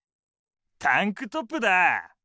タンクトップだぁ！